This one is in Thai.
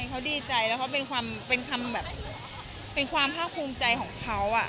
เขาดีใจแล้วเขาเป็นความภาคคุมใจของเขาอะ